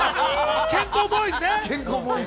健康ボーイズね。